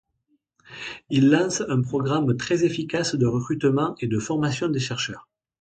Il lance un programme très efficace de recrutement et de formation des chercheurs.